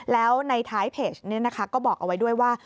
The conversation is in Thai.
แล้วในท้ายเพจนี้นะคะก็บอกเอาไว้ด้วยว่า